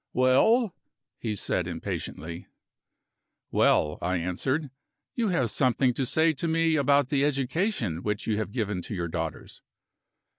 "Well?" he said impatiently. "Well," I answered, "you have something to say to me about the education which you have given to your daughters."